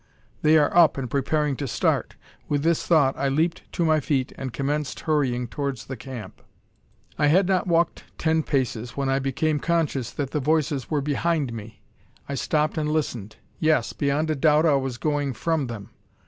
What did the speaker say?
"They are up, and preparing to start." With this thought, I leaped to my feet, and commenced hurrying towards the camp. I had not walked ten paces when I became conscious that the voices were behind me! I stopped and listened. Yes; beyond a doubt I was going from them.